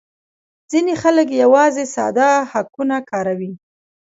ځینې خلک یوازې ساده هکونه کاروي